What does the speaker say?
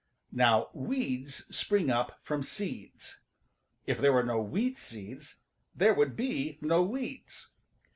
Now weeds spring up from seeds. If there were no weed seeds there would be no weeds.